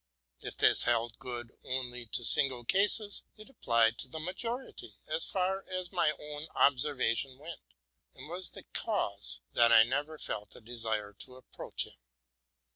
If this held good only of single cases, it applied to the majority, as far as my own observation went, and was the cause that I never felt a desire to approach him.